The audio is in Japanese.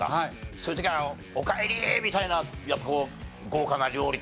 そういう時は「おかえり」みたいな豪華な料理とか。